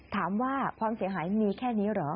ถามว่าความเสียหายมีแค่นี้เหรอ